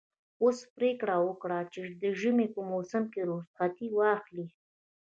اوښ پرېکړه وکړه چې د ژمي په موسم کې رخصتي واخلي.